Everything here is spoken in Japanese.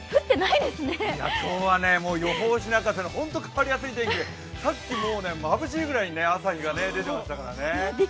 いや、今日は予報士泣かせの変わりやすいお天気でさっきまぶしいぐらいに朝日が出てましたからね。